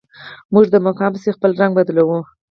موږ د مقام پسې خپل رنګ بدلوو.